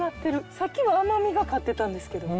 さっきは甘みが勝ってたんですけど。